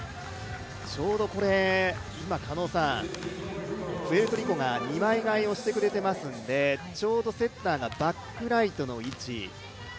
ちょうど今、プエルトリコが二枚替えをしてくれていますのでちょうどセッターがバックライトの位置、